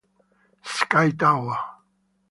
Sky Tower